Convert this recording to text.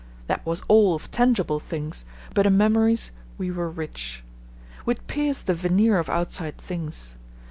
That was all of tangible things; but in memories we were rich. We had pierced the veneer of outside things.